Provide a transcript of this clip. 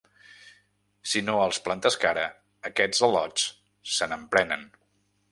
Si no els plantes cara, aquests al·lots se n'emprenen.